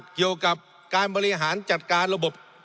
เกี่ยวกับการบริหารจัดการระบบ